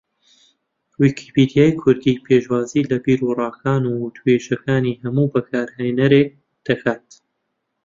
ویکیپیدیای کوردی پێشوازی لە بیروڕاکان و وتووێژەکانی ھەموو بەکارھێنەرێک دەکات